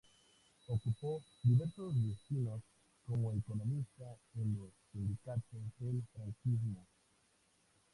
Ocupó diversos destinos como economista en los sindicatos del franquismo.